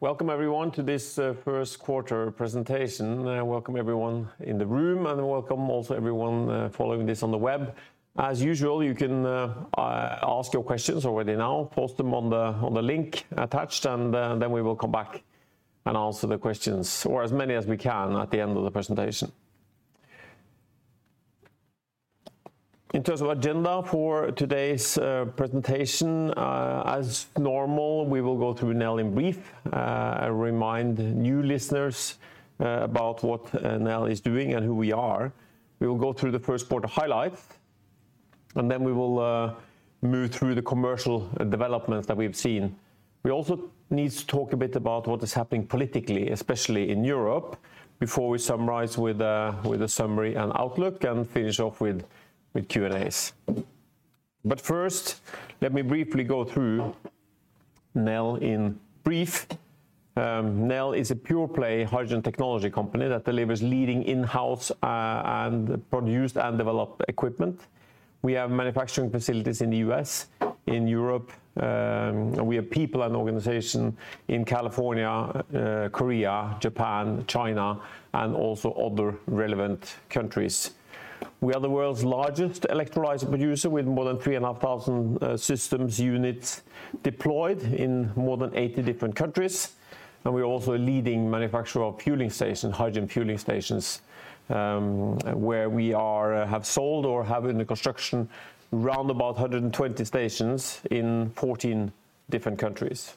Welcome everyone to this first quarter presentation. Welcome everyone in the room and welcome also everyone following this on the web. As usual, you can ask your questions already now. Post them on the link attached, and then we will come back and answer the questions or as many as we can at the end of the presentation. In terms of agenda for today's presentation, as normal, we will go through Nel in brief. Remind new listeners about what Nel is doing and who we are. We will go through the first quarter highlights, and then we will move through the commercial developments that we've seen. We also need to talk a bit about what is happening politically, especially in Europe, before we summarize with a summary and outlook and finish off with Q&As. First, let me briefly go through Nel in brief. Nel is a pure play hydrogen technology company that delivers leading in-house, and produced and developed equipment. We have manufacturing facilities in the U.S., in Europe, and we have people and organization in California, Korea, Japan, China, and also other relevant countries. We are the world's largest electrolyzer producer with more than 3,500 systems units deployed in more than 80 different countries, and we're also a leading manufacturer of fueling station, hydrogen fueling stations, where we have sold or have in the construction round about 120 stations in 14 different countries.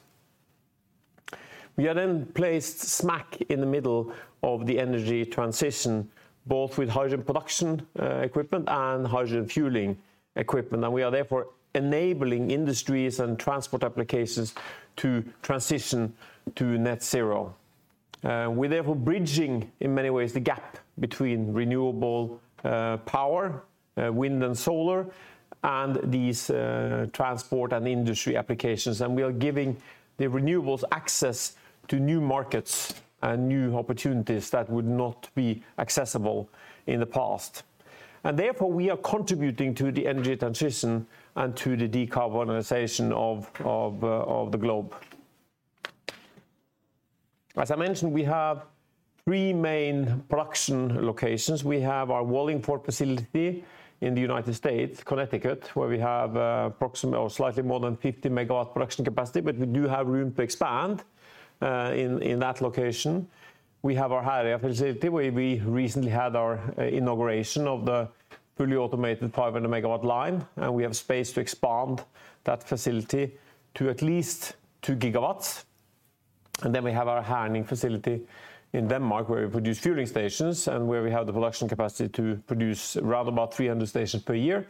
We are then placed smack in the middle of the energy transition, both with hydrogen production equipment and hydrogen fueling equipment, and we are therefore enabling industries and transport applications to transition to net zero. We're therefore bridging in many ways the gap between renewable power, wind and solar and these transport and industry applications, and we are giving the renewables access to new markets and new opportunities that would not be accessible in the past. Therefore, we are contributing to the energy transition and to the decarbonization of the globe. As I mentioned, we have three main production locations. We have our Wallingford facility in the United States, Connecticut, where we have approximately or slightly more than 50 MW production capacity, but we do have room to expand in that location. We have our Herøya facility, where we recently had our inauguration of the fully automated 500-megawatt line, and we have space to expand that facility to at least 2 GW. We have our Herning facility in Denmark, where we produce fueling stations and where we have the production capacity to produce round about 300 stations per year.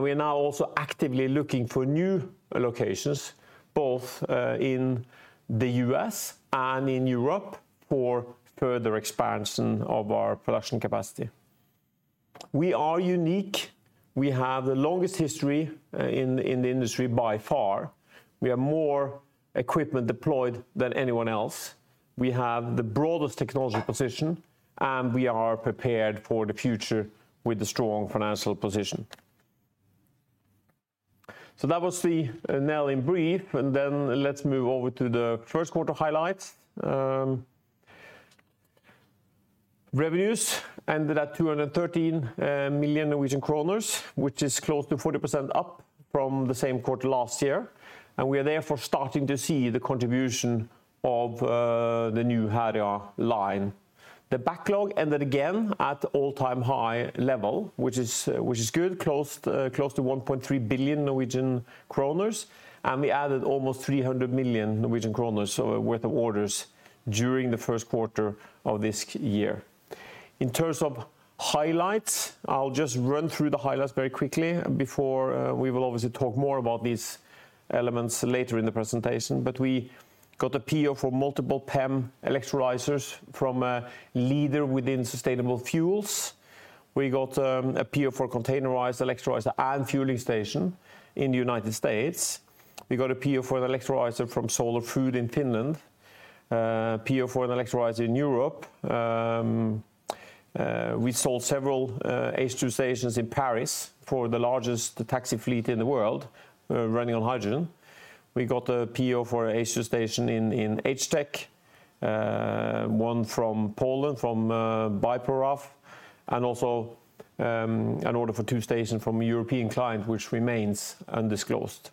We are now also actively looking for new locations, both in the U.S. and in Europe for further expansion of our production capacity. We are unique. We have the longest history in the industry by far. We have more equipment deployed than anyone else. We have the broadest technology position, and we are prepared for the future with a strong financial position. That was the Nel in brief, and then let's move over to the first quarter highlights. Revenues ended at 213 million Norwegian kroner, which is close to 40% up from the same quarter last year, and we are therefore starting to see the contribution of the new Herøya line. The backlog ended again at all-time high level, which is good, close to 1.3 billion Norwegian kroner, and we added almost 300 million Norwegian kroner worth of orders during the first quarter of this year. In terms of highlights, I'll just run through the highlights very quickly before we will obviously talk more about these elements later in the presentation. We got a PO for multiple PEM electrolyzers from a leader within sustainable fuels. We got a PO for containerized electrolyzer and fueling station in the United States. We got a PO for an electrolyzer from Solar Foods in Finland, PO for an electrolyzer in Europe. We sold several H2 stations in Paris for the largest taxi fleet in the world, running on hydrogen. We got a PO for a H2 station in HTEC, one from Poland from Biproraf, and also an order for two stations from a European client which remains undisclosed.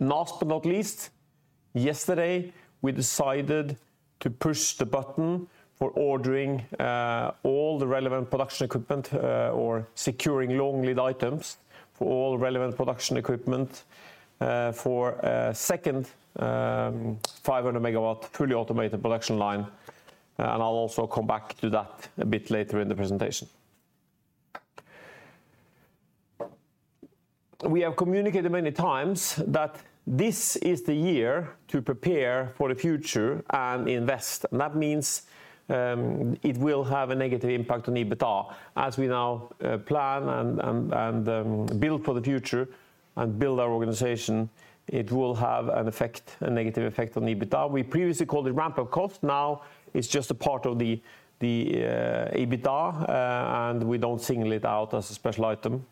Last but not least, yesterday we decided to push the button for ordering all the relevant production equipment, or securing long-lead items for all relevant production equipment, for a second 500 MW fully automated production line, and I'll also come back to that a bit later in the presentation. We have communicated many times that this is the year to prepare for the future and invest. That means it will have a negative impact on EBITDA. As we now plan and build for the future and build our organization, it will have an effect, a negative effect on EBITDA. We previously called it ramp-up cost. Now it's just a part of the EBITDA, and we don't single it out as a special item.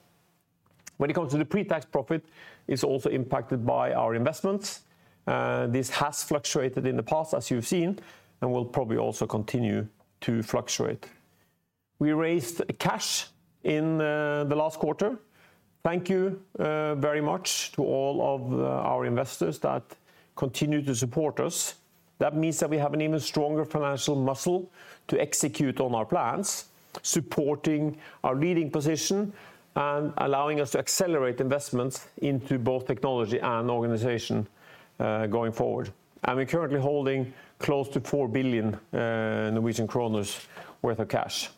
When it comes to the pre-tax profit, it's also impacted by our investments. This has fluctuated in the past, as you've seen, and will probably also continue to fluctuate. We raised cash in the last quarter. Thank you very much to all of our investors that continue to support us. That means that we have an even stronger financial muscle to execute on our plans, supporting our leading position and allowing us to accelerate investments into both technology and organization going forward. We're currently holding close to 4 billion Norwegian kroner worth of cash.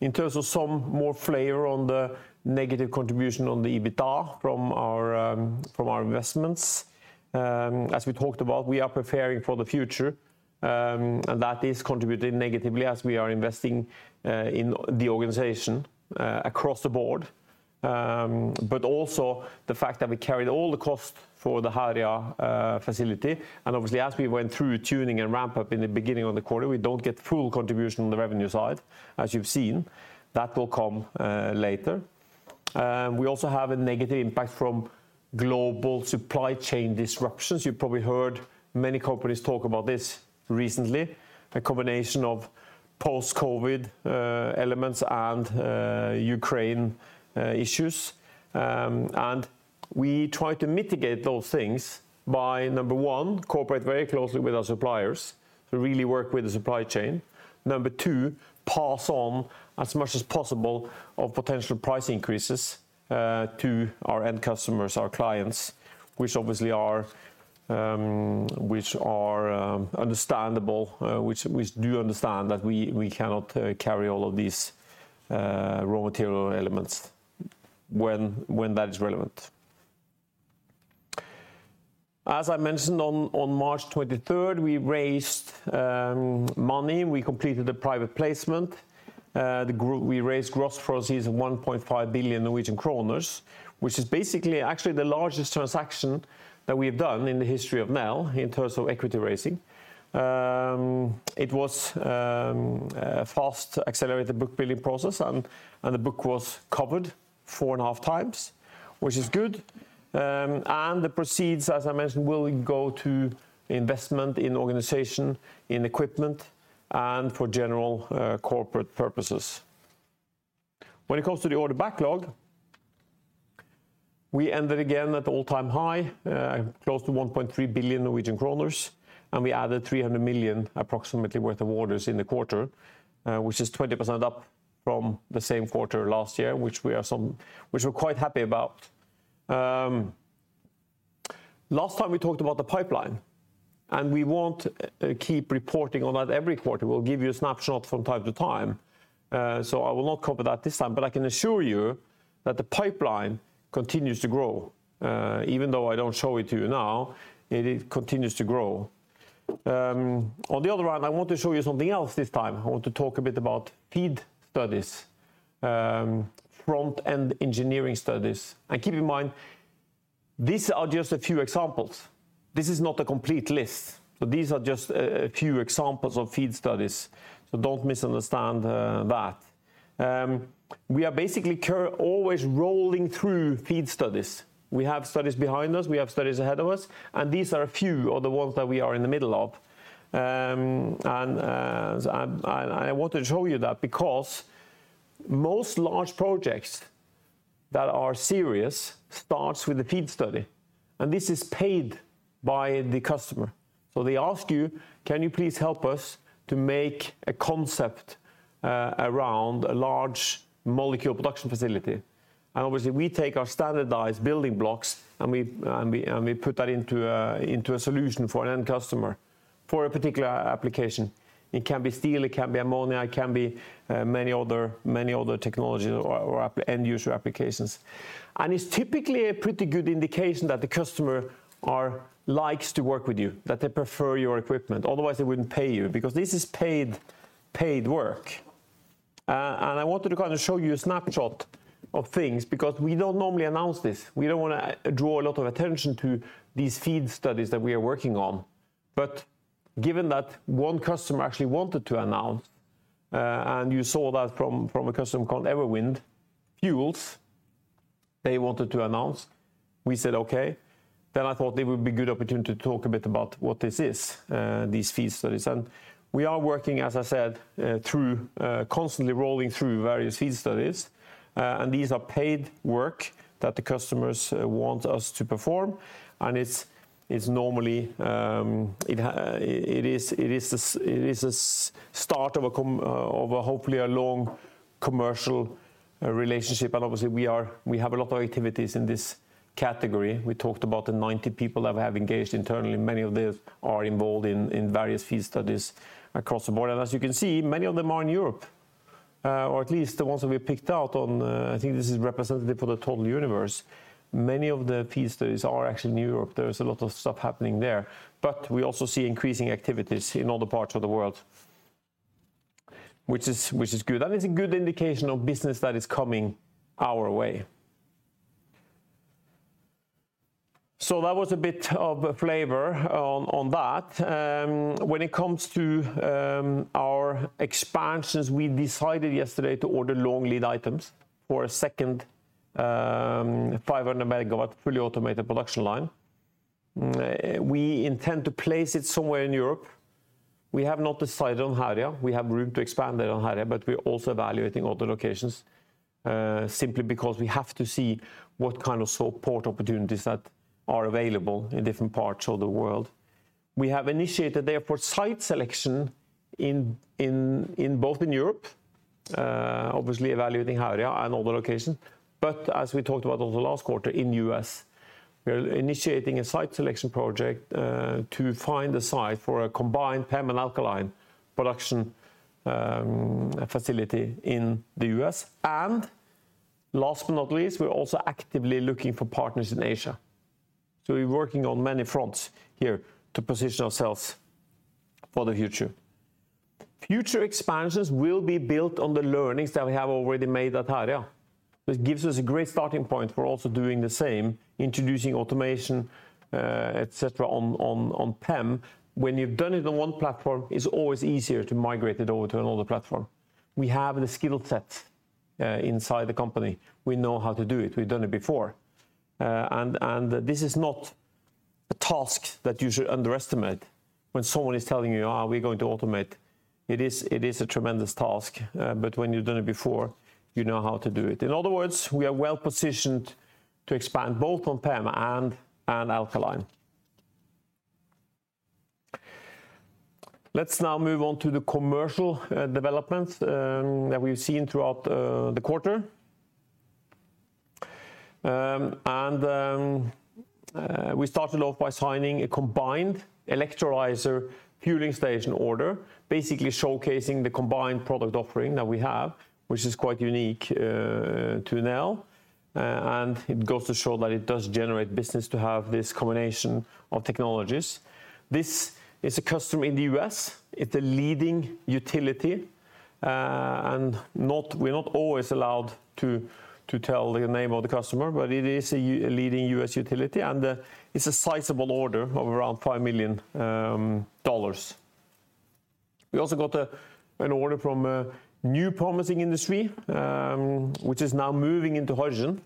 In terms of some more flavor on the negative contribution on the EBITDA from our investments, as we talked about, we are preparing for the future, and that is contributing negatively as we are investing in the organization across the board. Also the fact that we carried all the costs for the Herøya facility. Obviously, as we went through tuning and ramp-up in the beginning of the quarter, we don't get full contribution on the revenue side, as you've seen. That will come later. We also have a negative impact from global supply chain disruptions. You probably heard many companies talk about this recently, a combination of post-COVID elements and Ukraine issues. We try to mitigate those things by number one, cooperate very closely with our suppliers to really work with the supply chain. Number two, pass on as much as possible of potential price increases to our end customers, our clients, which obviously do understand that we cannot carry all of these raw material elements when that is relevant. As I mentioned on March 23rd, we raised money. We completed a private placement. We raised gross proceeds of 1.5 billion Norwegian kroner, which is basically actually the largest transaction that we've done in the history of Nel in terms of equity raising. It was a fast accelerated book building process and the book was covered 4.5x, which is good. The proceeds, as I mentioned, will go to investment in organization, in equipment, and for general corporate purposes. When it comes to the order backlog, we ended again at all-time high, close to 1.3 billion Norwegian kroner, and we added approximately 300 million worth of orders in the quarter, which is 20% up from the same quarter last year, which we're quite happy about. Last time we talked about the pipeline, and we won't keep reporting on that every quarter. We'll give you a snapshot from time to time, so I will not cover that this time. I can assure you that the pipeline continues to grow. Even though I don't show it to you now, it continues to grow. On the other hand, I want to show you something else this time. I want to talk a bit about FEED studies, front-end engineering studies. Keep in mind, these are just a few examples. This is not a complete list. These are just a few examples of FEED studies, so don't misunderstand that. We are basically always rolling through FEED studies. We have studies behind us, we have studies ahead of us, and these are a few of the ones that we are in the middle of. I want to show you that because most large projects that are serious starts with a FEED study. This is paid by the customer. They ask you, "Can you please help us to make a concept around a large molecule production facility?" Obviously we take our standardized building blocks and we put that into a solution for an end customer for a particular application. It can be steel, it can be ammonia, it can be many other technologies or end user applications. It's typically a pretty good indication that the customer likes to work with you, that they prefer your equipment. Otherwise, they wouldn't pay you, because this is paid work. I wanted to kind of show you a snapshot of things because we don't normally announce this. We don't wanna draw a lot of attention to these FEED studies that we are working on. Given that one customer actually wanted to announce, and you saw that from a customer called EverWind Fuels, they wanted to announce. We said okay. I thought it would be a good opportunity to talk a bit about what this is, these FEED studies. We are working, as I said, through constantly rolling through various FEED studies. These are paid work that the customers want us to perform. It's normally it is this, it is a start of a hopefully a long commercial relationship. Obviously we are, we have a lot of activities in this category. We talked about the 90 people that we have engaged internally. Many of them are involved in various FEED studies across the board. As you can see, many of them are in Europe, or at least the ones that we picked out on, I think this is representative for the total universe. Many of the FEED studies are actually in Europe. There's a lot of stuff happening there. We also see increasing activities in other parts of the world, which is good, and it's a good indication of business that is coming our way. That was a bit of a flavor on that. When it comes to our expansions, we decided yesterday to order long lead items for a second 500 MW fully automated production line. We intend to place it somewhere in Europe. We have not decided on Herøya. We have room to expand it on Herøya, but we're also evaluating other locations, simply because we have to see what kind of support opportunities that are available in different parts of the world. We have initiated, therefore, site selection in both in Europe, obviously evaluating Herøya and other locations, but as we talked about over the last quarter in U.S., we are initiating a site selection project to find a site for a combined PEM and alkaline production facility in the U.S. Last but not least, we're also actively looking for partners in Asia. We're working on many fronts here to position ourselves for the future. Future expansions will be built on the learnings that we have already made at Herøya, which gives us a great starting point for also doing the same, introducing automation, et cetera, on PEM. When you've done it on one platform, it's always easier to migrate it over to another platform. We have the skill set inside the company. We know how to do it. We've done it before. This is not a task that you should underestimate when someone is telling you, "Oh, we're going to automate." It is a tremendous task. When you've done it before, you know how to do it. In other words, we are well-positioned to expand both on PEM and alkaline. Let's now move on to the commercial developments that we've seen throughout the quarter. We started off by signing a combined electrolyzer fueling station order, basically showcasing the combined product offering that we have, which is quite unique to now. It goes to show that it does generate business to have this combination of technologies. This is a customer in the U.S. It's a leading utility. We're not always allowed to tell the name of the customer, but it is a leading US utility, and it's a sizable order of around $5 million. We also got an order from a new promising industry, which is now moving into hydrogen,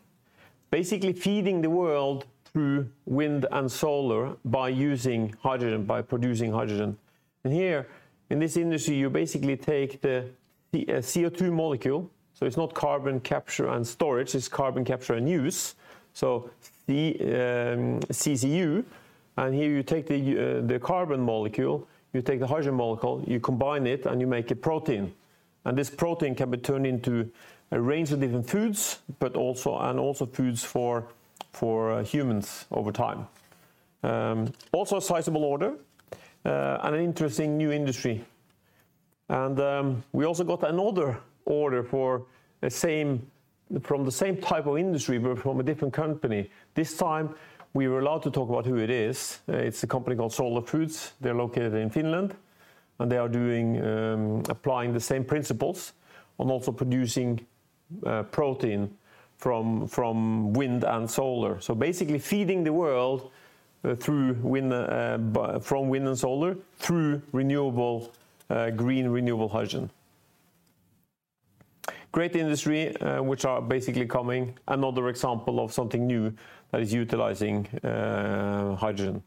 basically feeding the world through wind and solar by using hydrogen, by producing hydrogen. Here in this industry, you basically take the CO2 molecule. It's not carbon capture and storage, it's carbon capture and use, so CCU. Here you take the carbon molecule, you take the hydrogen molecule, you combine it, and you make a protein. This protein can be turned into a range of different foods, but also, and also foods for humans over time. Also a sizable order and an interesting new industry. We also got another order from the same type of industry but from a different company. This time, we were allowed to talk about who it is. It's a company called Solar Foods. They're located in Finland, and they are doing, applying the same principles on also producing protein from wind and solar. Basically feeding the world through wind from wind and solar through renewable green renewable hydrogen. Great industry which are basically coming. Another example of something new that is utilizing hydrogen.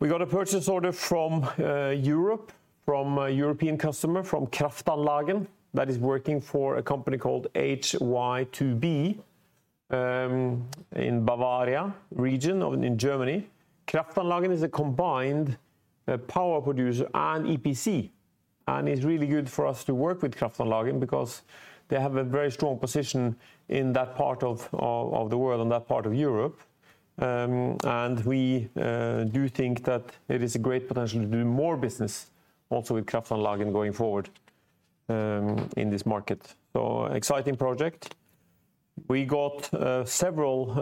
We got a purchase order from Europe from a European customer from Kraftanlagen that is working for a company called Hy2B in Bavaria region in Germany. Kraftanlagen is a combined power producer and EPC, and it's really good for us to work with Kraftanlagen because they have a very strong position in that part of the world in that part of Europe. We do think that it is a great potential to do more business also with Kraftanlagen going forward in this market. Exciting project. We got several.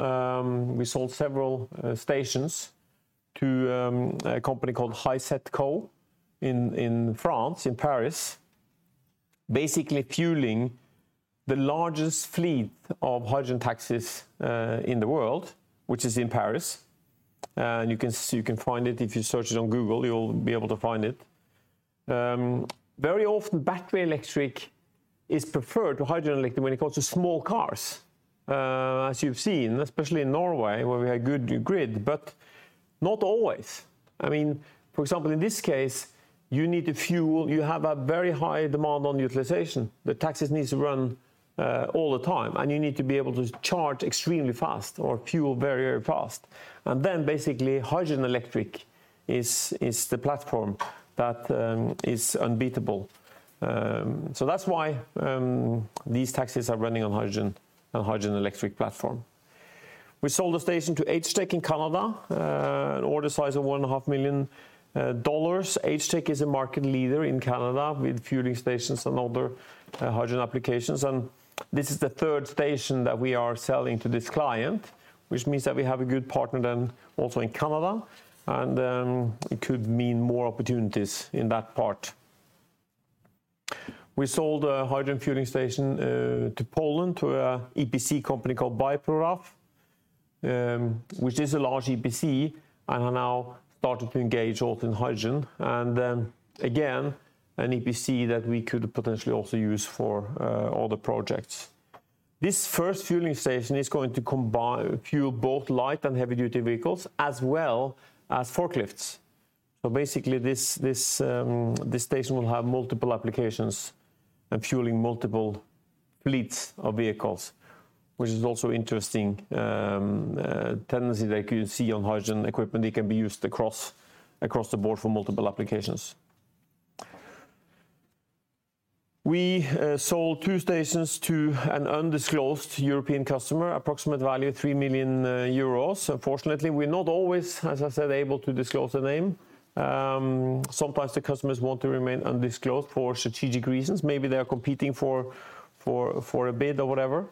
We sold several stations to a company called HysetCo in France, in Paris, basically fueling the largest fleet of hydrogen taxis in the world, which is in Paris. You can find it if you search it on Google. You'll be able to find it. Very often, battery electric is preferred to hydrogen electric when it comes to small cars, as you've seen, especially in Norway where we have good grid, but not always. I mean, for example, in this case, you need to fuel, you have a very high demand on utilization. The taxis needs to run all the time, and you need to be able to charge extremely fast or fuel very fast. Then basically, hydrogen electric is the platform that is unbeatable. That's why these taxis are running on hydrogen, on hydrogen electric platform. We sold a station to HTEC in Canada, an order size of $1.5 million. HTEC is a market leader in Canada with fueling stations and other hydrogen applications. This is the third station that we are selling to this client, which means that we have a good partner then also in Canada. It could mean more opportunities. We sold a hydrogen fueling station to Poland, to an EPC company called Biproraf, which is a large EPC, and are now started to engage also in hydrogen. Again, an EPC that we could potentially also use for other projects. This first fueling station is going to combine fuel both light and heavy-duty vehicles as well as forklifts. Basically this station will have multiple applications and fueling multiple fleets of vehicles, which is also interesting tendency that you can see on hydrogen equipment. It can be used across the board for multiple applications. We sold two stations to an undisclosed European customer, approximate value 3 million euros. Unfortunately, we're not always, as I said, able to disclose the name. Sometimes the customers want to remain undisclosed for strategic reasons. Maybe they are competing for a bid or whatever.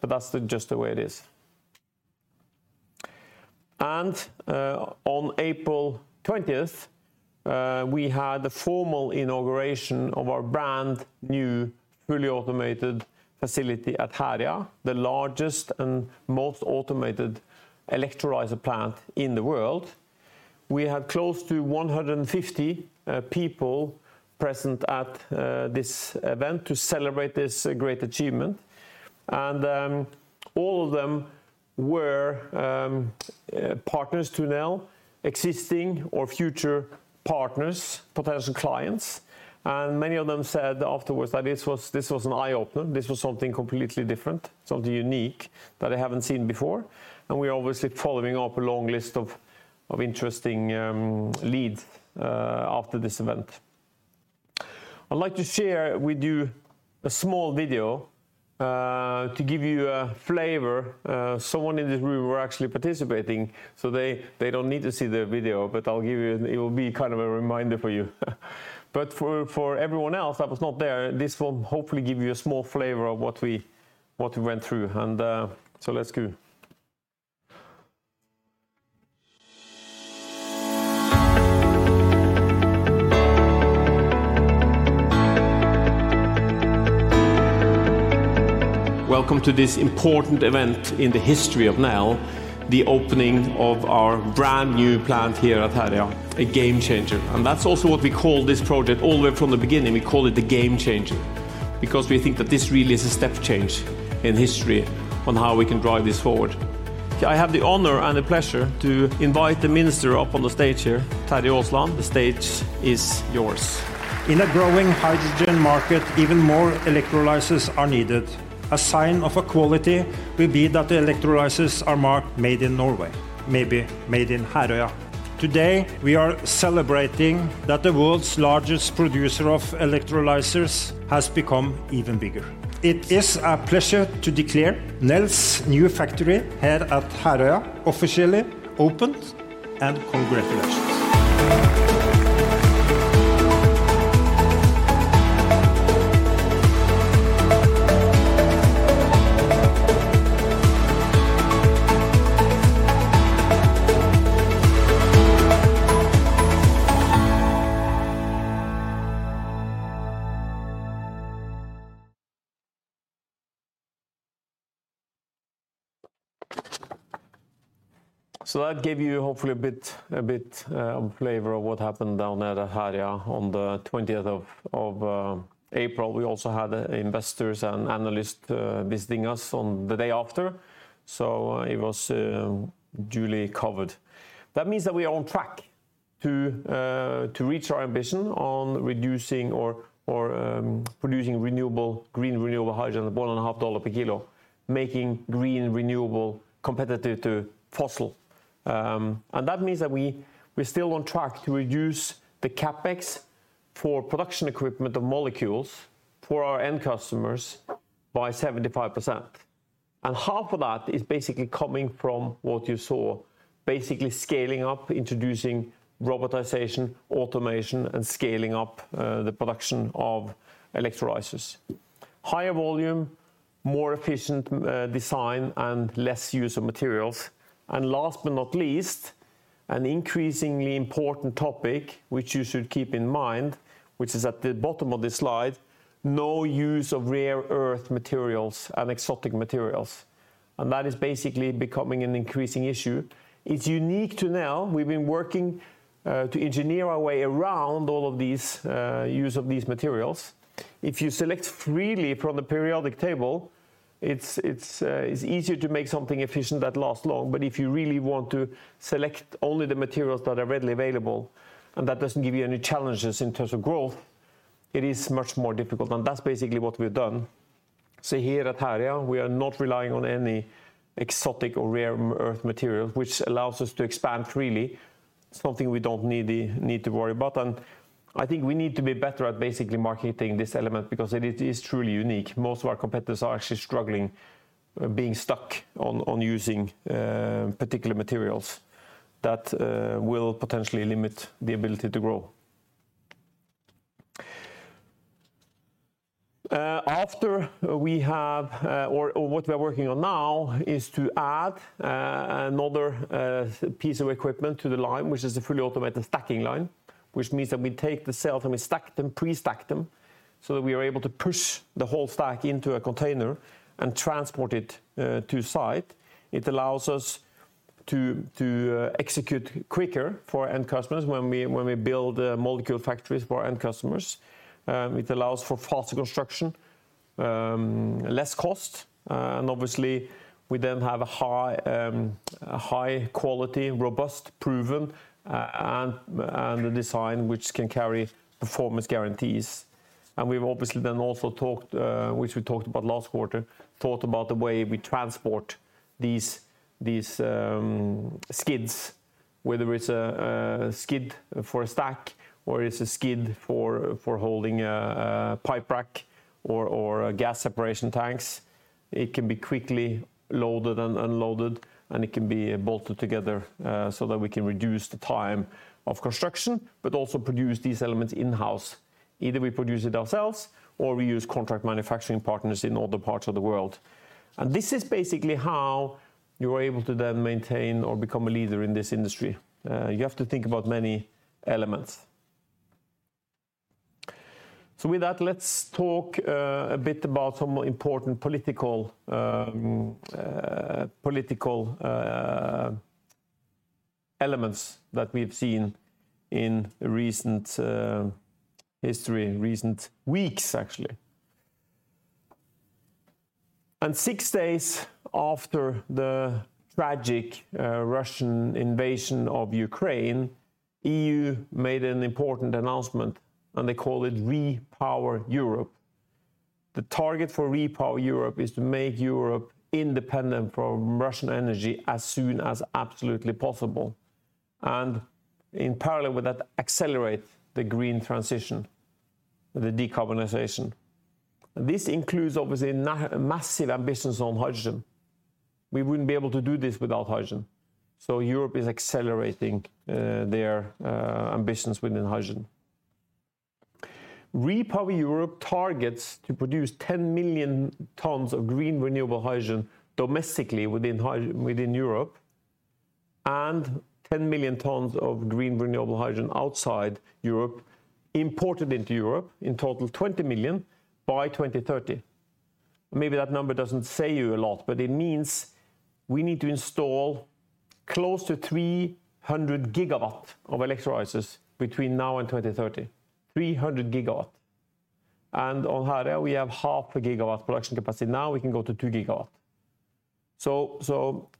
That's just the way it is. On April 20th, we had the formal inauguration of our brand new fully automated facility at Herøya, the largest and most automated electrolyzer plant in the world. We had close to 150 people present at this event to celebrate this great achievement. All of them were partners to Nel, existing or future partners, potential clients. Many of them said afterwards that this was an eye-opener, this was something completely different, something unique that I haven't seen before. We're obviously following up a long list of interesting leads after this event. I'd like to share with you a small video to give you a flavor. Someone in this room were actually participating, so they don't need to see the video, but I'll give you. It will be kind of a reminder for you. For everyone else that was not there, this will hopefully give you a small flavor of what we went through and so let's go. Welcome to this important event in the history of Nel, the opening of our brand new plant here at Herøya, a game changer. That's also what we call this project all the way from the beginning. We call it the game changer because we think that this really is a step change in history on how we can drive this forward. I have the honor and the pleasure to invite the minister up on the stage here. Terje Aasland, the stage is yours. In a growing hydrogen market, even more electrolyzers are needed. A sign of a quality will be that the electrolyzers are marked Made in Norway, maybe made in Herøya. Today, we are celebrating that the world's largest producer of electrolyzers has become even bigger. It is a pleasure to declare Nel's new factory here at Herøya officially opened, and congratulations. That gave you hopefully a bit flavor of what happened down there at Herøya on the twentieth of April. We also had investors and analysts visiting us on the day after. It was duly covered. That means that we are on track to reach our ambition on reducing or producing green renewable hydrogen $1.5 per kilo, making green renewable competitive to fossil. That means that we're still on track to reduce the CapEx for production equipment of molecules for our end customers by 75%. Half of that is basically coming from what you saw, basically scaling up, introducing robotization, automation, and scaling up the production of electrolyzers. Higher volume, more efficient design, and less use of materials. Last but not least, an increasingly important topic which you should keep in mind, which is at the bottom of this slide, no use of rare earth materials and exotic materials. That is basically becoming an increasing issue. It's unique to Nel. We've been working to engineer our way around all of these use of these materials. If you select freely from the periodic table, it's easier to make something efficient that lasts long. If you really want to select only the materials that are readily available and that doesn't give you any challenges in terms of growth, it is much more difficult. That's basically what we've done. Here at Herøya, we are not relying on any exotic or rare earth materials, which allows us to expand freely. It's something we don't need to worry about. I think we need to be better at basically marketing this element because it is truly unique. Most of our competitors are actually struggling, being stuck on using particular materials that will potentially limit the ability to grow. What we are working on now is to add another piece of equipment to the line, which is a fully automated stacking line, which means that we take the cells and we stack them, pre-stack them, so that we are able to push the whole stack into a container and transport it to site. It allows us to execute quicker for end customers when we build molecule factories for our end customers. It allows for faster construction, less cost, and obviously we then have a high quality, robust, proven, and a design which can carry performance guarantees. We've obviously then also talked, which we talked about last quarter, thought about the way we transport these skids, whether it's a skid for a stack or it's a skid for holding a pipe rack or gas separation tanks. It can be quickly loaded and unloaded, and it can be bolted together, so that we can reduce the time of construction but also produce these elements in-house. Either we produce it ourselves or we use contract manufacturing partners in other parts of the world. This is basically how you are able to then maintain or become a leader in this industry. You have to think about many elements. With that, let's talk a bit about some important political elements that we've seen in recent history, recent weeks actually. Six days after the tragic Russian invasion of Ukraine, EU made an important announcement and they call it REPowerEU. The target for REPowerEU is to make Europe independent from Russian energy as soon as absolutely possible and in parallel with that accelerate the green transition, the decarbonization. This includes obviously massive ambitions on hydrogen. We wouldn't be able to do this without hydrogen. Europe is accelerating their ambitions within hydrogen. REPowerEU targets to produce 10 million tons of green renewable hydrogen domestically within Europe and 10 million tons of green renewable hydrogen outside Europe imported into Europe, in total 20 million, by 2030. Maybe that number doesn't say you a lot, but it means we need to install close to 300 GW of electrolyzers between now and 2030. 300 GW. On Herøya we have 0.5 GW production capacity. Now we can go to 2 GW.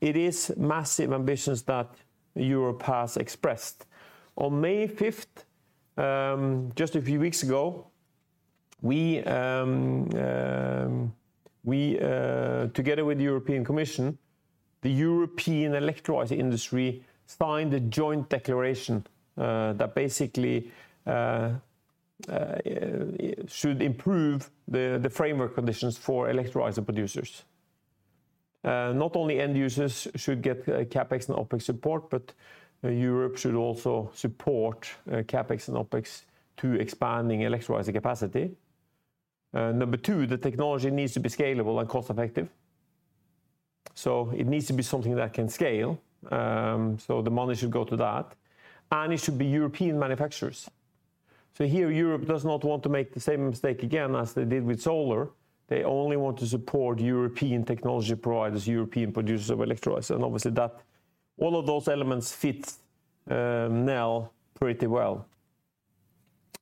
It is massive ambitions that Europe has expressed. On May 5, just a few weeks ago, we together with the European Commission, the European electrolyzer industry signed a joint declaration that basically should improve the framework conditions for electrolyzer producers. Not only end users should get CapEx and OpEx support, but Europe should also support CapEx and OpEx to expanding electrolyzer capacity. Number two, the technology needs to be scalable and cost-effective. It needs to be something that can scale, so the money should go to that. It should be European manufacturers. Here, Europe does not want to make the same mistake again as they did with solar. They only want to support European technology providers, European producers of electrolyzers, and obviously that, all of those elements fit Nel pretty well.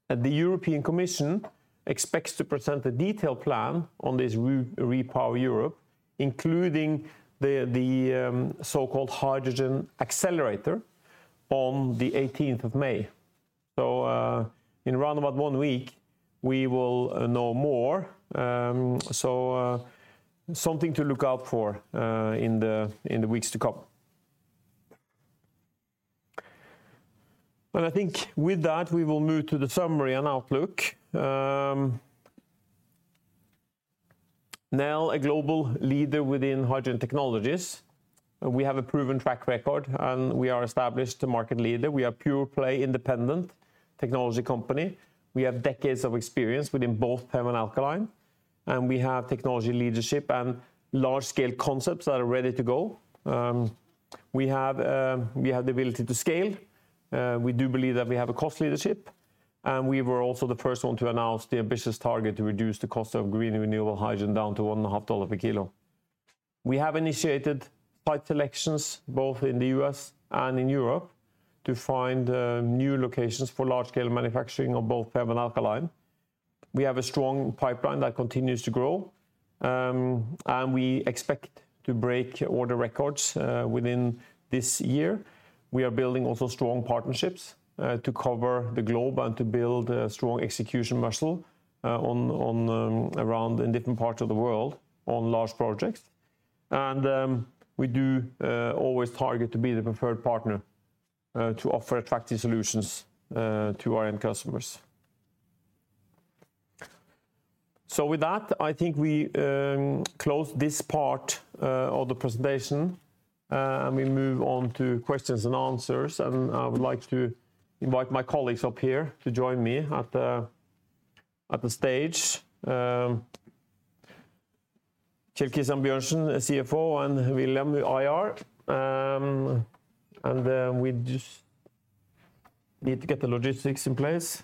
The European Commission expects to present a detailed plan on this REPowerEU, including the so-called Hydrogen Accelerator on the eighteenth of May. In around about one week we will know more. Something to look out for in the weeks to come. I think with that, we will move to the summary and outlook. Nel, a global leader within hydrogen technologies. We have a proven track record, and we are established a market leader. We are pure play independent technology company. We have decades of experience within both PEM and alkaline, and we have technology leadership and large scale concepts that are ready to go. We have the ability to scale. We do believe that we have a cost leadership, and we were also the first one to announce the ambitious target to reduce the cost of green renewable hydrogen down to $1.5 per kilo. We have initiated site selections both in the U.S. and in Europe to find new locations for large scale manufacturing of both PEM and alkaline. We have a strong pipeline that continues to grow, and we expect to break order records within this year. We are building also strong partnerships to cover the globe and to build a strong execution muscle on around in different parts of the world on large projects. We do always target to be the preferred partner to offer attractive solutions to our end customers. With that, I think we close this part of the presentation. We move on to questions and answers, and I would like to invite my colleagues up here to join me at the stage. Kjell Christian Bjørnsen, CFO, and Wilhelm Flinder, the IR. We just need to get the logistics in place.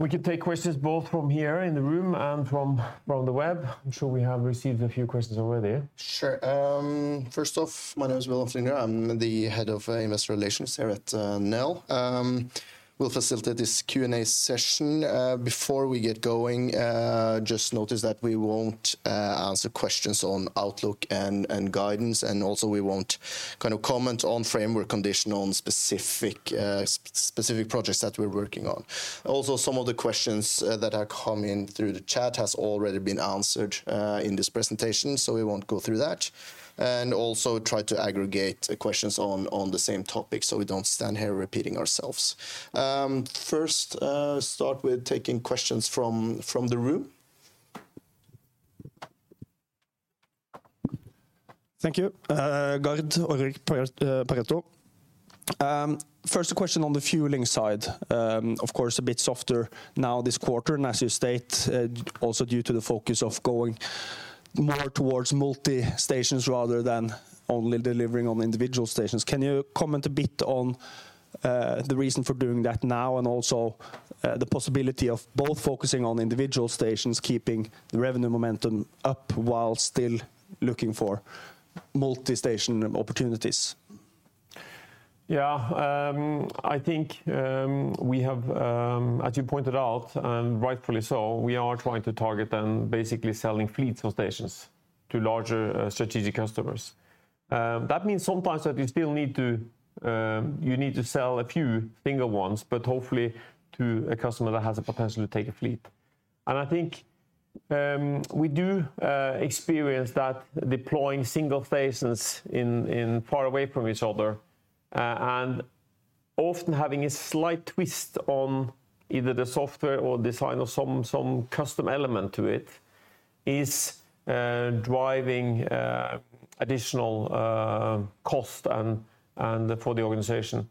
We can take questions both from here in the room and from the web. I'm sure we have received a few questions already. Sure. First off, my name is Wilhelm Flinder. I'm the head of investor relations here at Nel. We'll facilitate this Q&A session. Before we get going, just notice that we won't answer questions on Outlook and guidance, and also we won't kind of comment on framework condition on specific projects that we're working on. Also, some of the questions that are coming through the chat has already been answered in this presentation, so we won't go through that, and also try to aggregate the questions on the same topic, so we don't stand here repeating ourselves. First, start with taking questions from the room. Thank you. Gard Aarvik, Pareto. First question on the fueling side. Of course, a bit softer now this quarter, and as you state, also due to the focus of going more towards multi-stations rather than only delivering on individual stations. Can you comment a bit on the reason for doing that now and also the possibility of both focusing on individual stations, keeping the revenue momentum up while still looking for multi-station opportunities? Yeah. I think we have, as you pointed out, and rightfully so, we are trying to target and basically selling fleets of stations to larger strategic customers. That means sometimes that you need to sell a few single ones, but hopefully to a customer that has a potential to take a fleet. I think we do experience that deploying single stations in far away from each other, and often having a slight twist on either the software or design or some custom element to it, is driving additional cost and for the organization.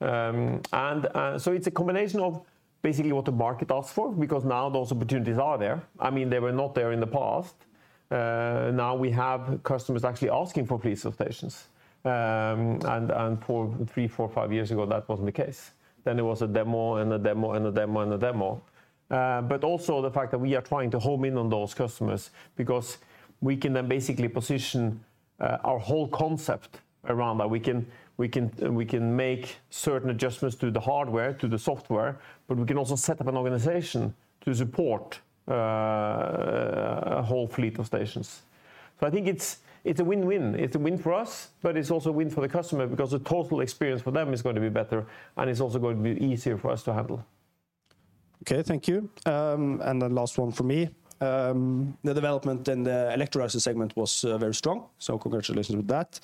So it's a combination of basically what the market asks for because now those opportunities are there. I mean, they were not there in the past. Now we have customers actually asking for fleet stations. For three, four, five years ago, that wasn't the case. There was a demo after demo after demo. Also, the fact that we are trying to home in on those customers because we can then basically position our whole concept around that. We can make certain adjustments to the hardware, to the software, but we can also set up an organization to support a whole fleet of stations. I think it's a win-win. It's a win for us, but it's also a win for the customer because the total experience for them is gonna be better, and it's also gonna be easier for us to handle. Okay, thank you. The last one from me. The development in the electrolyzer segment was very strong, congratulations with that.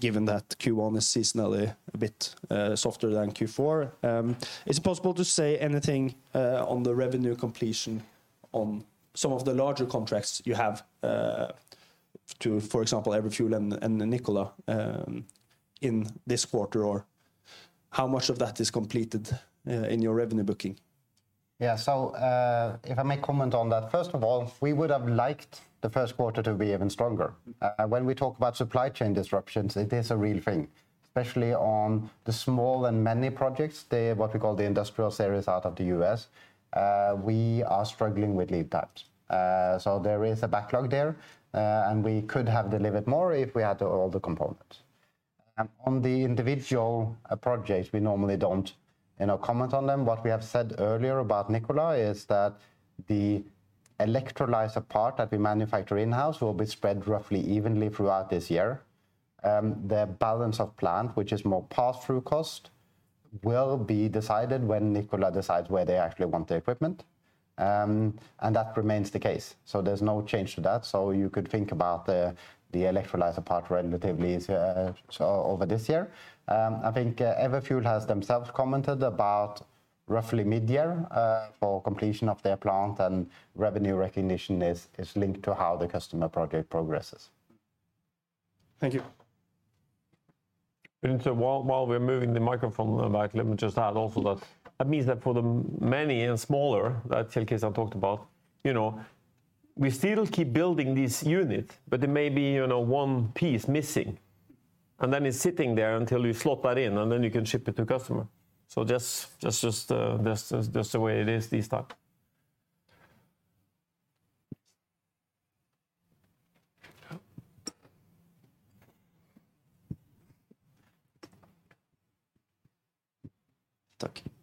Given that Q1 is seasonally a bit softer than Q4, is it possible to say anything on the revenue completion on some of the larger contracts you have, for example, Everfuel and Nikola, in this quarter, or how much of that is completed in your revenue booking? Yeah. If I may comment on that. First of all, we would have liked the first quarter to be even stronger. When we talk about supply chain disruptions, it is a real thing, especially on the small and medium projects, what we call the industrial series out of the U.S. We are struggling with lead times. There is a backlog there, and we could have delivered more if we had all the components. On the individual projects, we normally don't, you know, comment on them. What we have said earlier about Nikola is that the electrolyzer part that we manufacture in-house will be spread roughly evenly throughout this year. The balance of plant, which is more pass-through cost, will be decided when Nikola decides where they actually want the equipment. That remains the case. There's no change to that. You could think about the electrolyzer part relatively as over this year. I think Everfuel has themselves commented about roughly mid-year for completion of their plant and revenue recognition is linked to how the customer project progresses. Thank you. While we're moving the microphone back, let me just add also that means that for the many smaller that Kjell Christian Bjørnsen talked about, you know, we still keep building this unit, but there may be, you know, one piece missing, and then it's sitting there until you slot that in, and then you can ship it to customer. That's just the way it is this time. Thank you. Anders, SEB.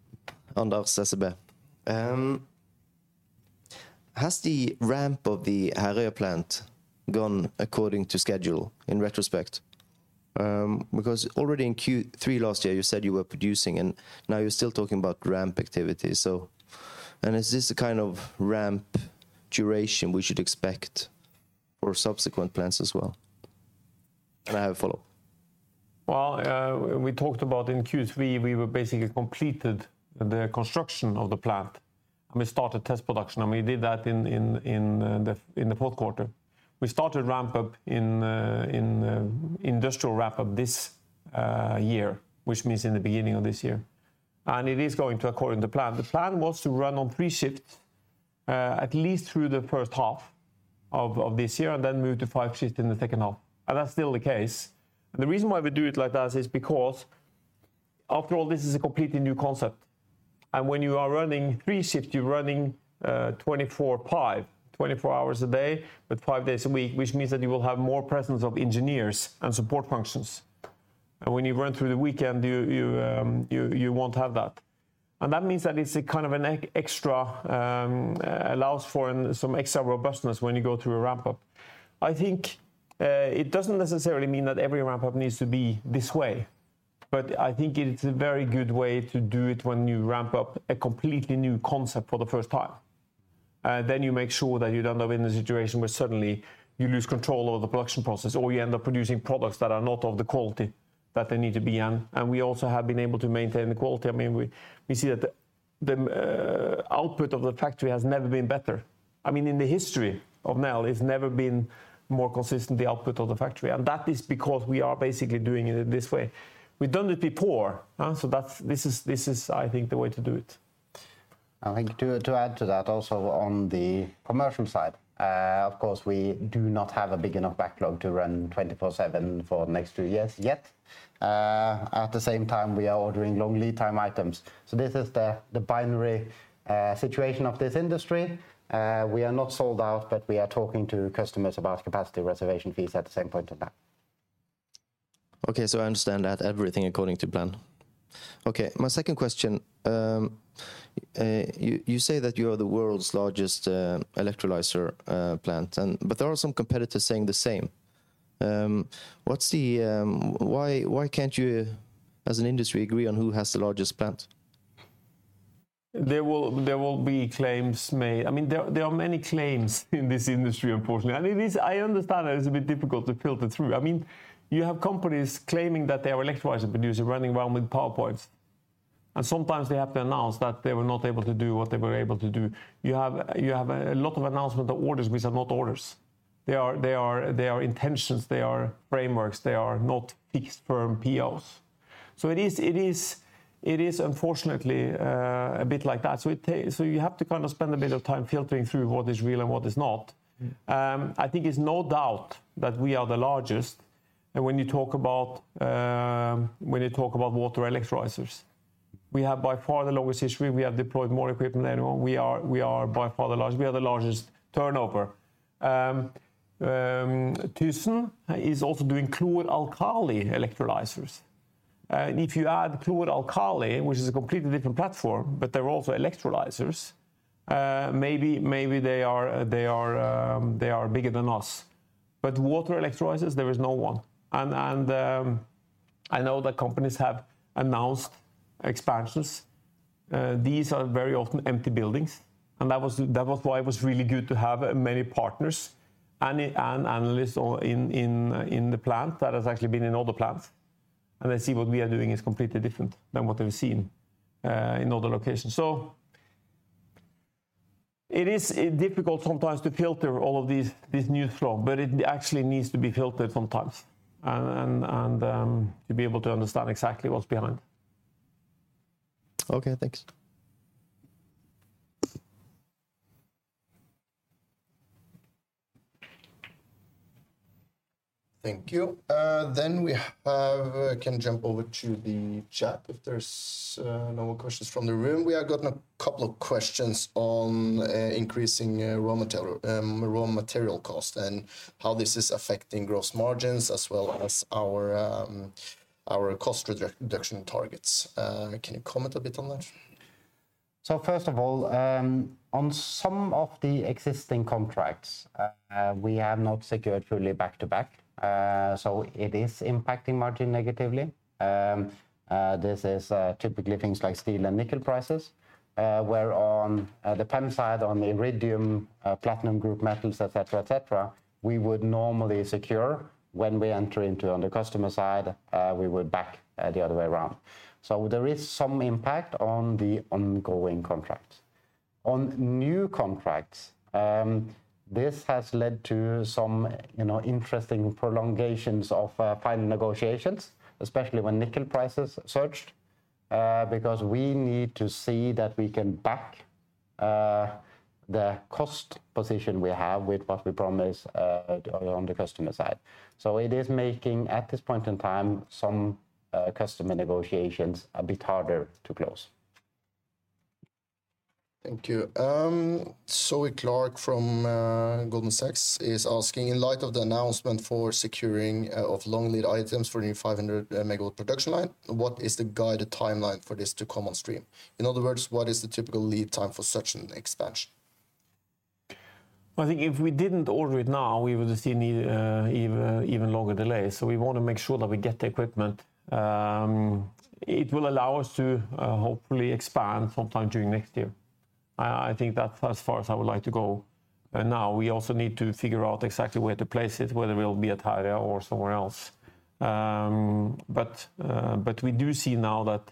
Has the ramp of the Herøya plant gone according to schedule in retrospect? Because already in Q3 last year, you said you were producing, and now you're still talking about ramp activity. I have a follow-up. Well, we talked about in Q3, we basically completed the construction of the plant, and we started test production, and we did that in the fourth quarter. We started industrial ramp up this year, which means in the beginning of this year. It is going according to plan. The plan was to run on three shifts at least through the first half of this year and then move to five shifts in the second half. That's still the case. The reason why we do it like that is because after all, this is a completely new concept. When you are running three shifts, you're running 24/5, 24 hours a day, but five days a week, which means that you will have more presence of engineers and support functions. When you run through the weekend, you won't have that. That means that it's a kind of an extra allows for some extra robustness when you go through a ramp up. I think it doesn't necessarily mean that every ramp up needs to be this way, but I think it's a very good way to do it when you ramp up a completely new concept for the first time. Then you make sure that you don't end up in a situation where suddenly you lose control over the production process, or you end up producing products that are not of the quality that they need to be in. We also have been able to maintain the quality. I mean, we see that the output of the factory has never been better. I mean, in the history of Nel, it's never been more consistent, the output of the factory. That is because we are basically doing it this way. We've done it before, huh? This is, I think, the way to do it. I think to add to that also on the commercial side, of course, we do not have a big enough backlog to run 24/7 for the next two years yet. At the same time, we are ordering long lead time items. This is the binary situation of this industry. We are not sold out, but we are talking to customers about capacity reservation fees at the same point in time. Okay, I understand that everything according to plan. Okay, my second question. You say that you are the world's largest electrolyzer plant, but there are some competitors saying the same. Why can't you as an industry agree on who has the largest plant? There will be claims made. I mean, there are many claims in this industry, unfortunately. It is. I understand that it's a bit difficult to filter through. I mean, you have companies claiming that they are electrolyzer producer running around with PowerPoints. Sometimes they have to announce that they were not able to do what they were able to do. You have a lot of announcement of orders which are not orders. They are intentions, they are frameworks, they are not fixed firm POs. It is unfortunately a bit like that. You have to kind of spend a bit of time filtering through what is real and what is not. I think it's no doubt that we are the largest when you talk about water electrolyzers. We have by far the longest history. We have deployed more equipment than anyone. We are by far the largest. We have the largest turnover. thyssenkrupp is also doing chloralkali electrolyzers. If you add chloralkali, which is a completely different platform, but they're also electrolyzers, maybe they are bigger than us. But water electrolyzers, there is no one. I know that companies have announced expansions. These are very often empty buildings, and that was why it was really good to have many partners and analysts all in the plant that has actually been in all the plants. They see what we are doing is completely different than what they've seen in other locations. It is difficult sometimes to filter all of this news flow, but it actually needs to be filtered sometimes and to be able to understand exactly what's behind. Okay, thanks. Thank you. We can jump over to the chat if there's no more questions from the room. We have gotten a couple of questions on increasing raw material cost and how this is affecting gross margins as well as our cost reduction targets. Can you comment a bit on that? First of all, on some of the existing contracts, we have not secured fully back to back, so it is impacting margin negatively. This is typically things like steel and nickel prices, where on the PEM side, on the iridium, platinum group metals, et cetera, et cetera, we would normally secure when we enter into on the customer side, we would back the other way around. There is some impact on the ongoing contracts. On new contracts, this has led to some, you know, interesting prolongations of final negotiations, especially when nickel prices surged, because we need to see that we can back the cost position we have with what we promise on the customer side. It is making, at this point in time, some customer negotiations a bit harder to close. Thank you. Zoe Clarke from Goldman Sachs is asking, in light of the announcement for securing of long lead items for the new 500 MW production line, what is the guided timeline for this to come on stream? In other words, what is the typical lead time for such an expansion? I think if we didn't order it now, we would have seen even longer delays. We wanna make sure that we get the equipment. It will allow us to hopefully expand sometime during next year. I think that's as far as I would like to go. Now we also need to figure out exactly where to place it, whether it will be at Herøya or somewhere else. We do see now that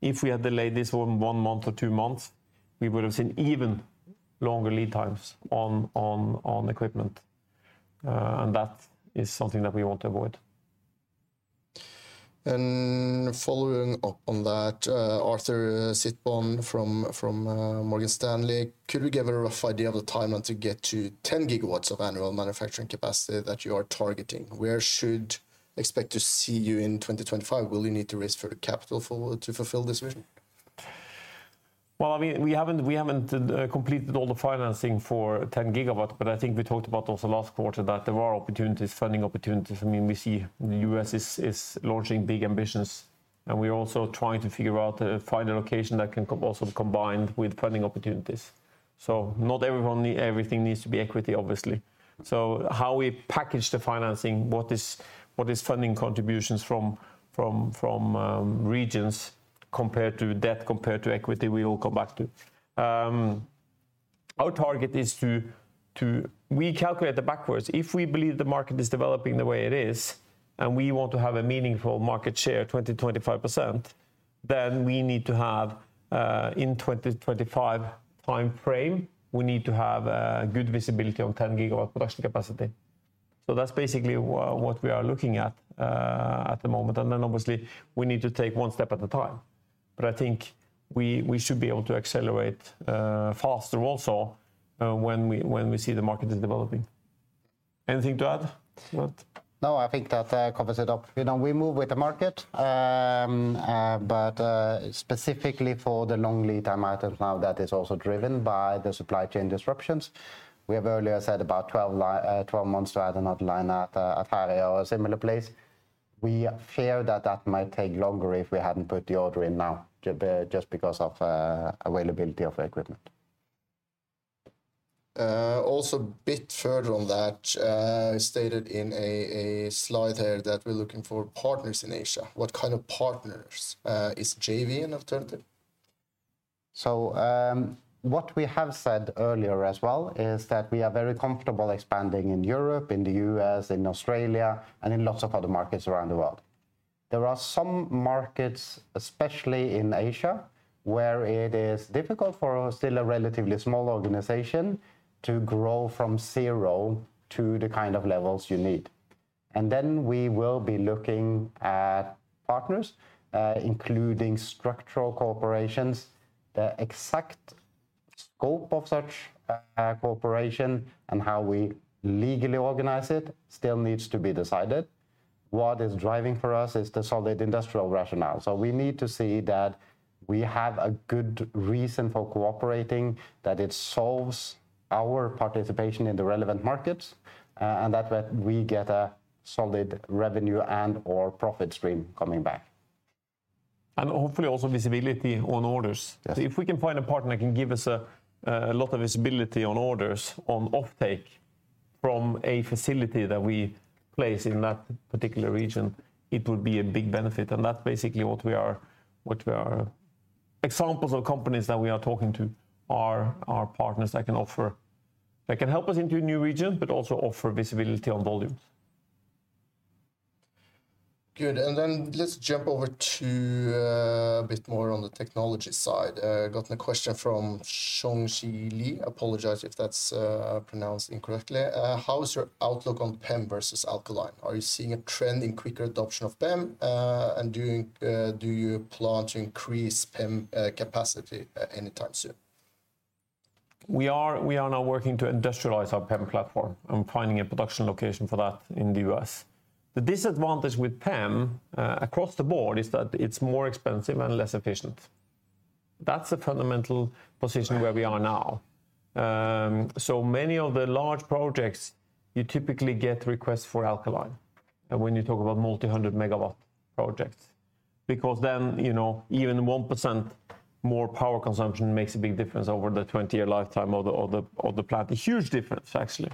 if we had delayed this one month or two months, we would have seen even longer lead times on equipment. That is something that we want to avoid. Following up on that, Arthur Sitbon from Morgan Stanley, could we give a rough idea of the timeline to get to 10 GW of annual manufacturing capacity that you are targeting? Where should we expect to see you in 2025? Will you need to raise further capital to fulfill this vision? I mean, we haven't completed all the financing for 10 GW, but I think we talked about also last quarter that there are opportunities, funding opportunities. I mean, we see the U.S. is launching big ambitions, and we're also trying to figure out find a location that can also combine with funding opportunities. Not everything needs to be equity, obviously. How we package the financing, what is funding contributions from regions compared to debt, compared to equity, we will come back to. Our target is to. We calculate it backwards. If we believe the market is developing the way it is and we want to have a meaningful market share, 20%-25%, then we need to have in 2025 timeframe, we need to have good visibility on 10 GW production capacity. That's basically what we are looking at at the moment. We need to take one step at a time. I think we should be able to accelerate faster also when we see the market is developing. Anything to add to that? No, I think that covers it up. You know, we move with the market. Specifically for the long lead time items, now that is also driven by the supply chain disruptions. We have earlier said about 12 months to add another line at Herøya or a similar place. We fear that that might take longer if we hadn't put the order in now, just because of availability of equipment. Also, a bit further on that, stated in a slide there that we're looking for partners in Asia. What kind of partners? Is JV an alternative? What we have said earlier as well is that we are very comfortable expanding in Europe, in the U.S., in Australia, and in lots of other markets around the world. There are some markets, especially in Asia, where it is difficult for still a relatively small organization to grow from zero to the kind of levels you need. We will be looking at partners, including structural corporations. The exact scope of such cooperation and how we legally organize it still needs to be decided. What is driving for us is the solid industrial rationale. We need to see that we have a good reason for cooperating, that it solves our participation in the relevant markets, and that we get a solid revenue and/or profit stream coming back. Hopefully also visibility on orders. Yes. If we can find a partner that can give us a lot of visibility on orders, on offtake from a facility that we place in that particular region, it would be a big benefit. That's basically what we are. Examples of companies that we are talking to are partners that can help us into a new region, but also offer visibility on volumes. Good. Then let's jump over to a bit more on the technology side. Got a question from Shang Shi Li. Apologize if that's pronounced incorrectly. How is your outlook on PEM versus alkaline? Are you seeing a trend in quicker adoption of PEM? Do you plan to increase PEM capacity anytime soon? We are now working to industrialize our PEM platform and finding a production location for that in the U.S. The disadvantage with PEM across the board is that it's more expensive and less efficient. That's the fundamental position where we are now. Many of the large projects, you typically get requests for alkaline when you talk about multi-hundred megawatt projects, because then, you know, even 1% more power consumption makes a big difference over the 20-year lifetime of the plant. A huge difference, actually.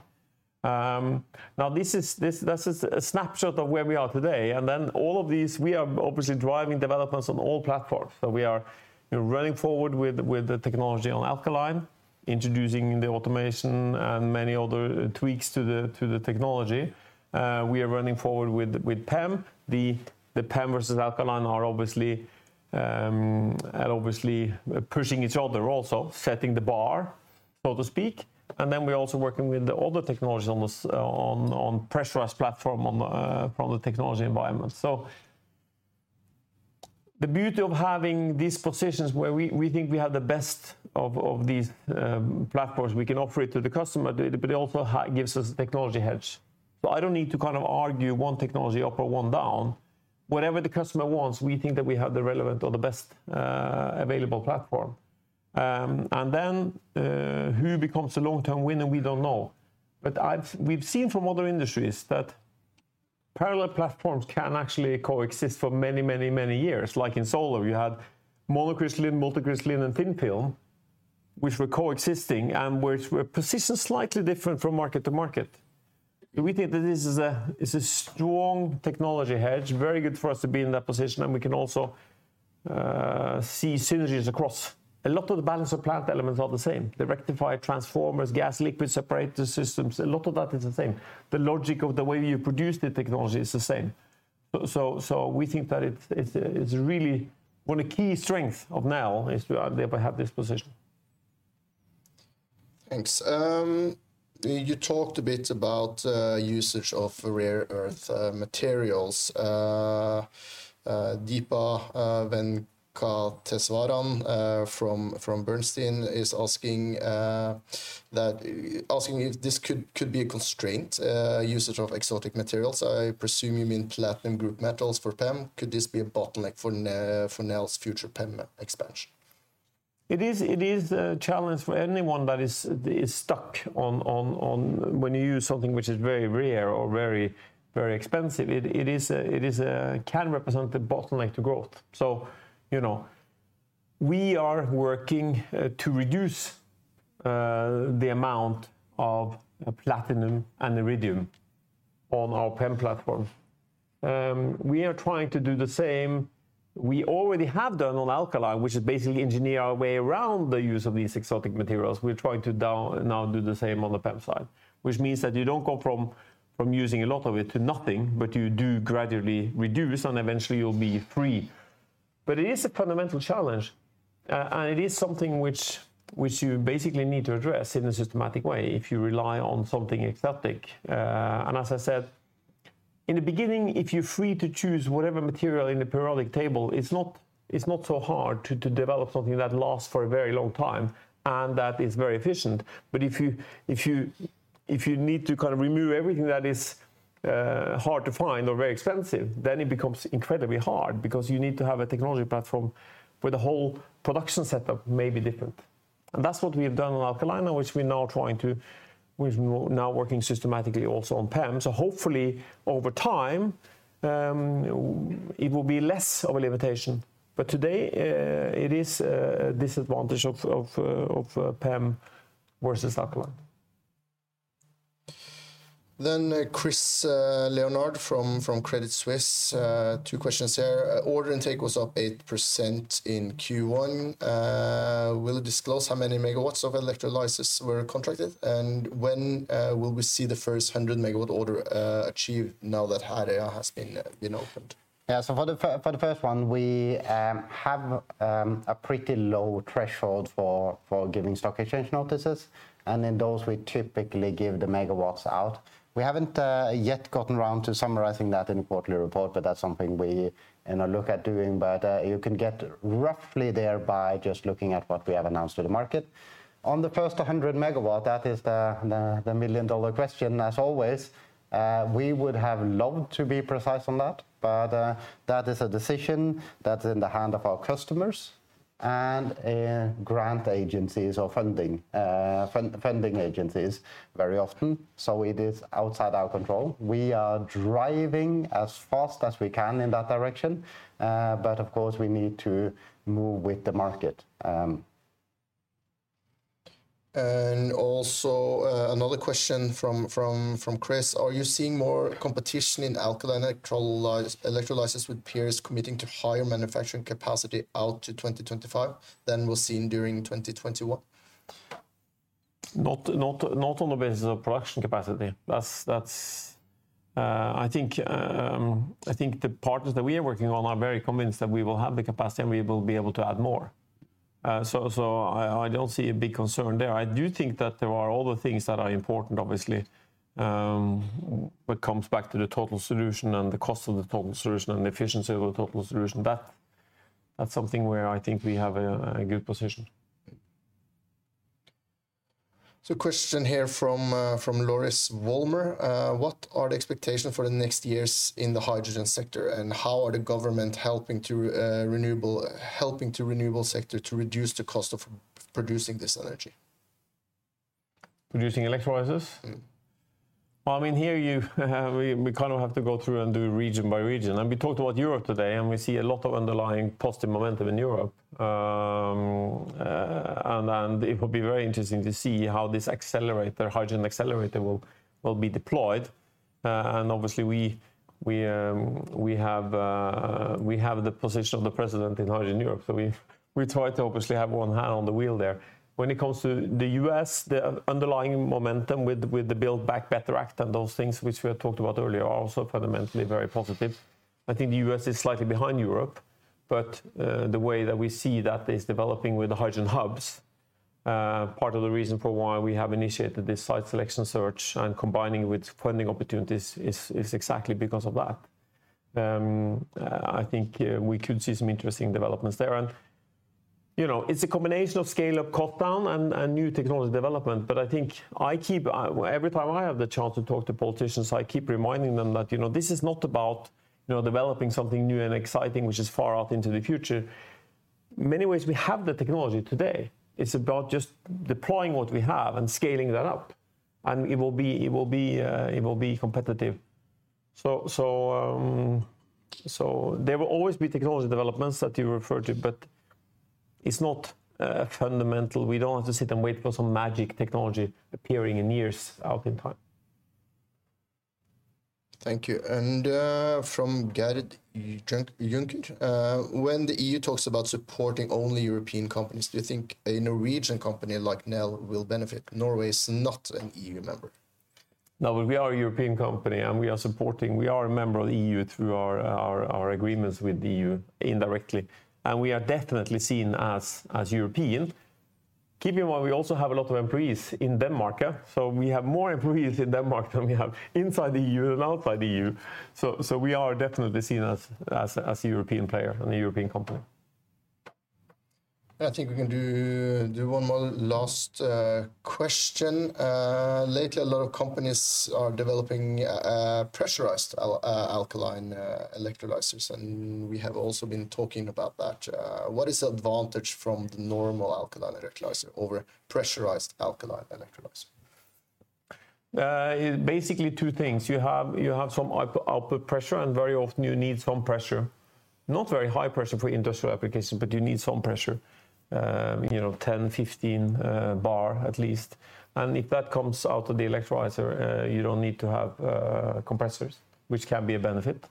This is a snapshot of where we are today. All of these, we are obviously driving developments on all platforms. We are, you know, running forward with the technology on alkaline, introducing the automation and many other tweaks to the technology. We are running forward with PEM. PEM versus alkaline are obviously pushing each other also, setting the bar, so to speak. We're also working with the other technologies on this pressurized platform from the technology environment. The beauty of having these positions where we think we have the best of these platforms, we can offer it to the customer, but it also gives us a technology hedge. I don't need to kind of argue one technology up or one down. Whatever the customer wants, we think that we have the relevant or the best available platform. Who becomes the long-term winner, we don't know. We've seen from other industries that parallel platforms can actually coexist for many years. Like in solar, you had monocrystalline, multicrystalline, and thin film, which were coexisting and which were positioned slightly different from market to market. We think that this is, it's a strong technology hedge, very good for us to be in that position, and we can also see synergies across. A lot of the balance of plant elements are the same. The rectifier, transformers, gas liquid separator systems, a lot of that is the same. The logic of the way you produce the technology is the same. We think that it's really one of the key strength of Nel is to be able to have this position. Thanks. You talked a bit about usage of rare earth materials. Deepa Venkateswaran from Bernstein is asking if this could be a constraint usage of exotic materials. I presume you mean platinum group metals for PEM. Could this be a bottleneck for Nel's future PEM expansion? It is a challenge for anyone that is stuck on when you use something which is very rare or very expensive. It can represent a bottleneck to growth. You know, we are working to reduce the amount of platinum and iridium on our PEM platform. We are trying to do the same we already have done on alkaline, which is basically engineer our way around the use of these exotic materials. We're trying to now do the same on the PEM side, which means that you don't go from using a lot of it to nothing, but you do gradually reduce, and eventually you'll be free. It is a fundamental challenge. It is something which you basically need to address in a systematic way if you rely on something exotic. As I said, in the beginning, if you're free to choose whatever material in the periodic table, it's not so hard to develop something that lasts for a very long time and that is very efficient. If you need to kind of remove everything that is hard to find or very expensive, then it becomes incredibly hard because you need to have a technology platform where the whole production setup may be different. That's what we have done on alkaline, which we're now working systematically also on PEM. Hopefully over time, it will be less of a limitation. Today, it is a disadvantage of PEM versus alkaline. Chris Leonard from Credit Suisse, two questions there. Order intake was up 8% in Q1. Will disclose how many megawatts of electrolysis were contracted, and when will we see the first 100 MW order achieved now that Herøya has been opened? For the first one, we have a pretty low threshold for giving stock exchange notices, and in those, we typically give the megawatts out. We haven't yet gotten around to summarizing that in a quarterly report, but that's something we, you know, look at doing. You can get roughly there by just looking at what we have announced to the market. On the first 100 MW, that is the million-dollar question as always. We would have loved to be precise on that, but that is a decision that's in the hands of our customers and grant agencies or funding agencies very often. It is outside our control. We are driving as fast as we can in that direction. Of course we need to move with the market. Another question from Chris: Are you seeing more competition in alkaline electrolysis with peers committing to higher manufacturing capacity out to 2025 than we've seen during 2021? Not on the basis of production capacity. That's I think the partners that we are working on are very convinced that we will have the capacity and we will be able to add more. I don't see a big concern there. I do think that there are other things that are important, obviously, but comes back to the total solution and the cost of the total solution and the efficiency of the total solution. That's something where I think we have a good position. Question here from Loris Walmer: What are the expectations for the next years in the hydrogen sector, and how are the government helping to renewable sector to reduce the cost of producing this energy? Producing electrolyzers? Mm. Well, I mean, here you have. We kind of have to go through and do region by region. We talked about Europe today, and we see a lot of underlying positive momentum in Europe. It will be very interesting to see how this Hydrogen Accelerator will be deployed. Obviously we have the position of the president in Hydrogen Europe, so we try to obviously have one hand on the wheel there. When it comes to the U.S., the underlying momentum with the Build Back Better Act and those things which we had talked about earlier are also fundamentally very positive. I think the U.S. is slightly behind Europe, but the way that we see that is developing with the hydrogen hubs. Part of the reason for why we have initiated this site selection search and combining with funding opportunities is exactly because of that. I think we could see some interesting developments there. You know, it's a combination of scale of cost down and new technology development. Every time I have the chance to talk to politicians, I keep reminding them that, you know, this is not about, you know, developing something new and exciting, which is far out into the future. Many ways we have the technology today. It's about just deploying what we have and scaling that up, and it will be competitive. There will always be technology developments that you refer to, but it's not fundamental. We don't have to sit and wait for some magic technology appearing in years out in time. Thank you. From Garrett Young, when the EU talks about supporting only European companies, do you think a Norwegian company like Nel will benefit? Norway is not an EU member. No, we are a European company and we are supporting. We are a member of the EU through our agreements with the EU indirectly, and we are definitely seen as European. Keep in mind we also have a lot of employees in Denmark. We have more employees in Denmark than we have inside the EU than outside the EU. We are definitely seen as a European player and a European company. I think we can do one more last question. Lately, a lot of companies are developing pressurized alkaline electrolyzers, and we have also been talking about that. What is the advantage from the normal alkaline electrolyzer over pressurized alkaline electrolyzer? Basically two things. You have some output pressure, and very often you need some pressure. Not very high pressure for industrial application, but you need some pressure. You know, 10, 15 bar at least. If that comes out of the electrolyzer, you don't need to have compressors, which can be a benefit.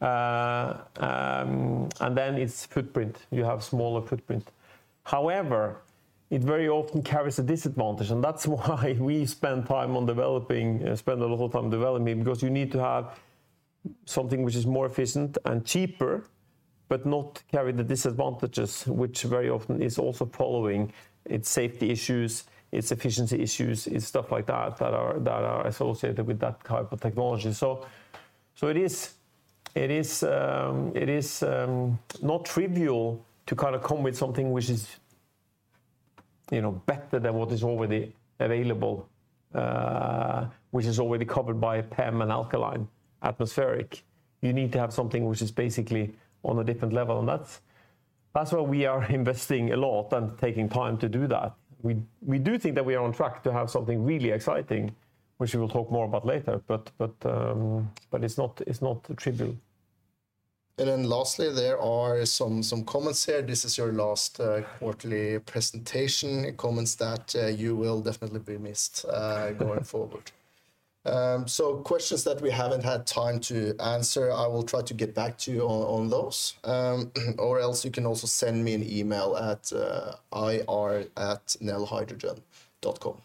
And then it's footprint. You have smaller footprint. However, it very often carries a disadvantage, and that's why we spend a lot of time developing, because you need to have something which is more efficient and cheaper, but not carry the disadvantages, which very often is also following its safety issues, its efficiency issues, it's stuff like that that are associated with that type of technology. It is not trivial to kinda come with something which is, you know, better than what is already available, which is already covered by PEM and alkaline atmospheric. You need to have something which is basically on a different level, and that's why we are investing a lot and taking time to do that. We do think that we are on track to have something really exciting, which we will talk more about later. It's not trivial. Lastly, there are some comments here. This is your last quarterly presentation. Comments that you will definitely be missed going forward. Questions that we haven't had time to answer, I will try to get back to you on those. Or else you can also send me an email at ir@nelhydrogen.com.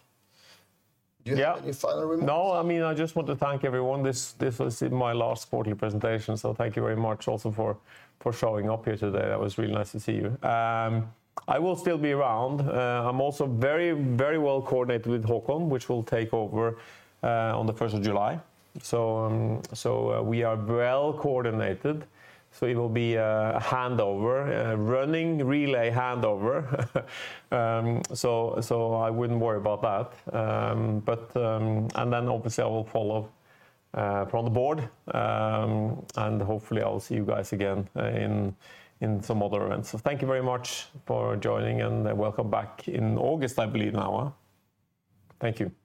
Yeah. Do you have any final remarks? No. I mean, I just want to thank everyone. This was my last quarterly presentation, so thank you very much also for showing up here today. That was really nice to see you. I will still be around. I'm also very well coordinated with Håkon Volldal, which will take over on the first of July. We are well coordinated, so it will be a handover, a running relay handover. I wouldn't worry about that. Obviously I will follow from the board, and hopefully I will see you guys again in some other events. Thank you very much for joining and welcome back in August, I believe now, huh. Thank you.